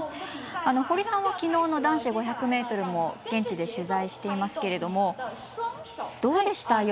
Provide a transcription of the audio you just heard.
堀さんはきのうの男子５００ｍも現地で取材していますけれどもどうでした？